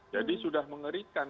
jadi sudah mengerikan